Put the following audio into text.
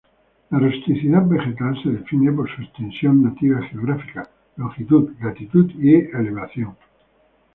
La rusticidad vegetal se define por su extensión nativa geográfica: longitud, latitud y elevación.